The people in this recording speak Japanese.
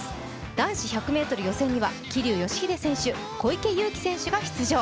男子１００ｍ予選には桐生祥秀選手、小池祐貴選手が出場。